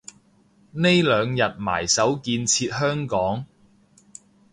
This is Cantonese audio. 呢兩日埋首建設香港